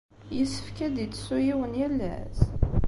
Yessefk ad d-ittessu yiwen yal ass?